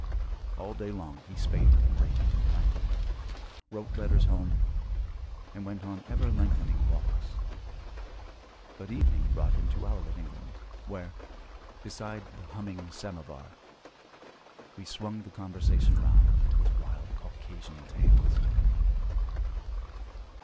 All day long he spaded and raked and planted, wrote letters home, and went on ever lengthening walks; but evening brought him to our living room where, beside the humming samovar, we swung the conversation round to his wild Caucasian tales.